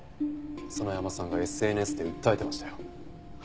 園山さんがＳＮＳで訴えてましたよ。